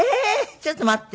ちょっと待って。